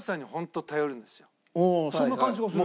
うんそんな感じがする。